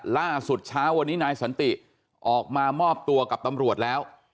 ล่าสุดเช้าวันนี้นายสันติออกมามอบตัวกับตำรวจแล้ว